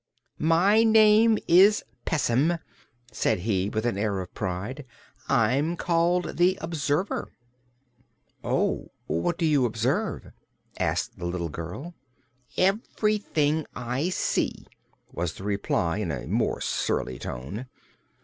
"My name is Pessim," said he, with an air of pride. "I'm called the Observer." "Oh. What do you observe?" asked the little girl. "Everything I see," was the reply, in a more surly tone.